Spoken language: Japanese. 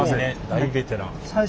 大ベテラン。